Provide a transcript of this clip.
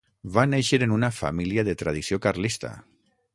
Va néixer en una família de tradició carlista.